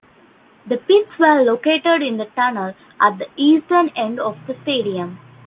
The pits were located in the tunnel at the eastern end of the stadium.